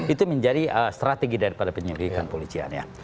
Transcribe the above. itu menjadi strategi daripada penyelidikan polisian ya